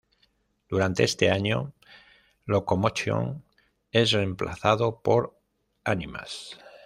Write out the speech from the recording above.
Durante este año Locomotion es reemplazado por Animax.